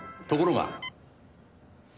ところが。